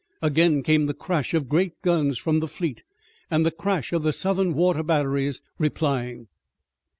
Again came the crash of great guns from the fleet, and the crash of the Southern water batteries replying.